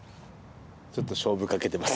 ちょっと勝負かけてます